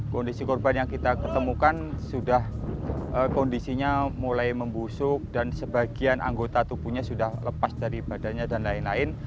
kondisi korban yang kita ketemukan sudah kondisinya mulai membusuk dan sebagian anggota tubuhnya sudah lepas dari badannya dan lain lain